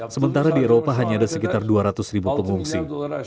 sementara di eropa hanya ada sekitar dua ratus ribu pengungsi